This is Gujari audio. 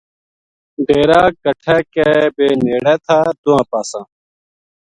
ڈیرا کَٹھا کے بے نیڑے تھا دوہاں پاساں